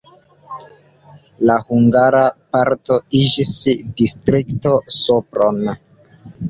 La hungara parto iĝis Distrikto Sopron.